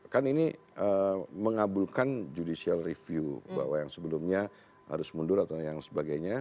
kan ini mengabulkan judicial review bahwa yang sebelumnya harus mundur atau yang sebagainya